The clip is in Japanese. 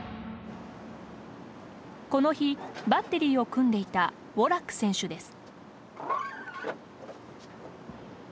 この日、バッテリーを組んでいたウォラック選手です。